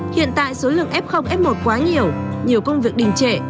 hiện tại số lượng f f một quá nhiều nhiều công việc đình trệ